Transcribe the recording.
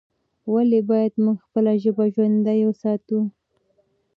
ولې باید موږ خپله ژبه ژوندۍ وساتو؟